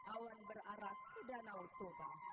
awan berarah ke danau toba